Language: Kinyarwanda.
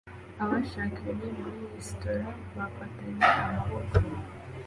Abashakanye muri resitora bafatanye amaboko